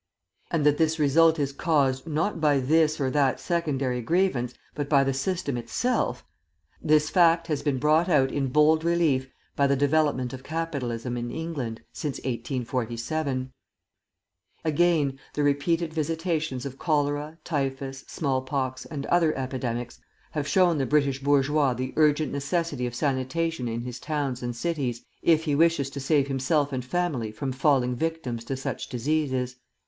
And that this result is caused, not by this or that secondary grievance, but by the system itself this fact has been brought out in bold relief by the development of Capitalism in England since 1847. Again, the repeated visitations of cholera, typhus, smallpox, and other epidemics have shown the British bourgeois the urgent necessity of sanitation in his towns and cities, if he wishes to save himself and family from falling victims to such diseases.